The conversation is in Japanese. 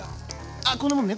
あこんなもんね！